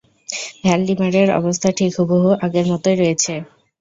ভ্যালডিমারের অবস্থা ঠিক হুবহু আগের মতোই রয়েছে।